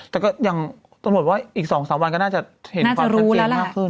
แต่ก็อย่างตรวจว่าอีกสองสามวันก็น่าจะเห็นความจัดเจนมากขึ้น